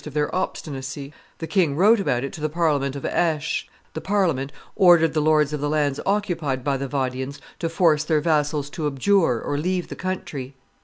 of their obstinacy; the king wrote about it to the Parliament of Aix; the Parliament ordered the lords of the lands occupied by the Vaudians to force their vassals to abjure or leave the country.